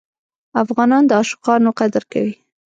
افغانان د عاشقانو قدر کوي.